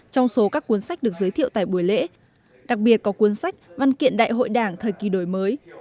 trong số các cuốn sách được giới thiệu tại buổi lễ đặc biệt có cuốn sách văn kiện đại hội đảng thời kỳ đổi mới